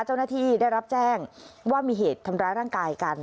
เจ้าหน้าที่ได้รับแจ้งว่ามีเหตุทำร้ายร่างกายกัน